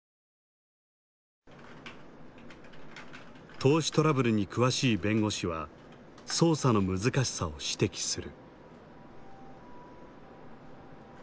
投資トラブルに詳しい弁護士は捜査の難しさを指摘する。